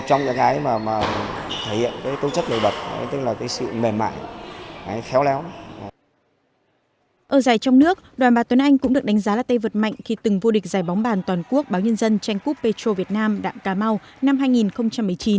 ở giải trong nước đoàn bà tuấn anh cũng được đánh giá là tay vợt mạnh khi từng vô địch giải bóng bàn toàn quốc báo nhân dân tranh cúp petro việt nam đạm cà mau năm hai nghìn một mươi chín